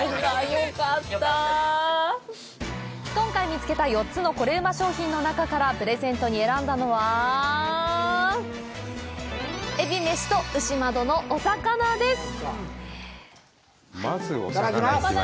今回見つけた４つのコレうま商品の中からプレゼントに選んだのはまずお魚いきましょうね